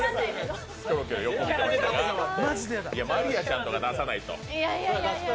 真莉愛ちゃんとか出さないと。